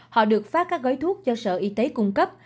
họ được phát các gói thuốc do sở y tế cung cấp